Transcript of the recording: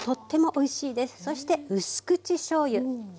そしてうす口しょうゆ。